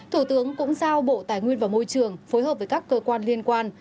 thủ tướng cũng giao bộ tài nguyên và môi trường phối hợp với các cơ quan liên quan